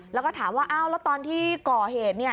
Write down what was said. แล้วก็ถามว่าอ้าวแล้วตอนที่ก่อเหตุเนี่ย